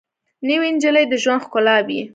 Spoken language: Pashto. نوې نجلۍ د ژوند ښکلا وي